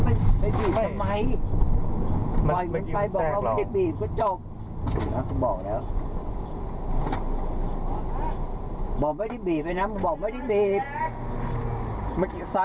มันกินแซ่งเรา